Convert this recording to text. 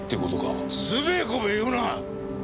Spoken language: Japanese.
つべこべ言うな！